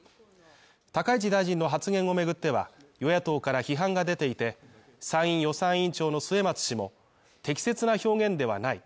高市大臣の発言を巡っては、与野党から批判が出ていて、参院予算委員長の末松氏も、適切な表現ではない。